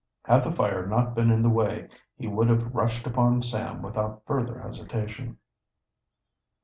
Had the fire not been in the way he would have rushed upon Sam without further hesitation.